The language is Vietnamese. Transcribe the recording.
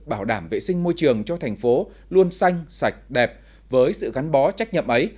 bảo đảm vệ sinh môi trường cho thành phố luôn xanh sạch đẹp với sự gắn bó trách nhậm ấy